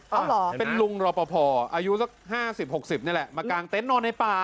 เอาเหรอเป็นลุงรอปภอายุสัก๕๐๖๐นี่แหละมากางเต็นต์นอนในป่า